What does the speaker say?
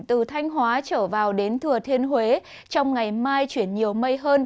từ thanh hóa trở vào đến thừa thiên huế trong ngày mai chuyển nhiều mây hơn